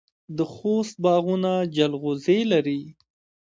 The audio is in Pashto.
د خوست باغونه جلغوزي لري.